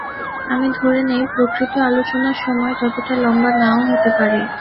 আমি ধরে নিই, প্রকৃত আলোচনার সময় ততটা লম্বা না-ও হতে পারে।